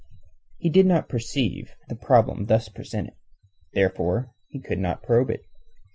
He did not perceive the problem thus presented; therefore he could not probe it.